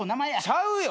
ちゃうよ。